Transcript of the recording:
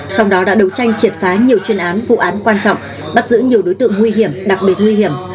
trong đó đã đấu tranh triệt phá nhiều chuyên án vụ án quan trọng bắt giữ nhiều đối tượng nguy hiểm đặc biệt nguy hiểm